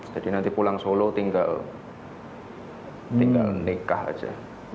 jadi nanti pulang solo tinggal nikah aja